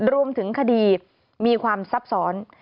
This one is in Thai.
รวมถึงคดีมีความซับซ้อน